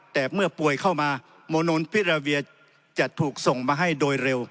แต่เมื่อป่วยเข้ามาโมนูลพิราเวียจะถูกส่งมาให้โดยเร็ว